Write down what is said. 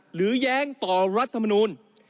หรือย้างต่อรัฐมนุน